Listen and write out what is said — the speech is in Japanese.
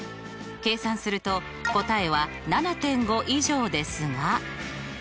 計算すると答えは７．５以上ですが。